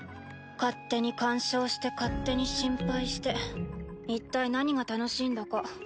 勝手に干渉して勝手に心配して一体何が楽しいんだか。